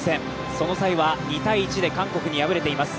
その際は２−１で韓国に敗れています。